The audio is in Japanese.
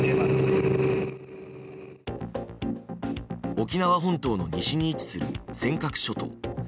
沖縄本島の西に位置する尖閣諸島。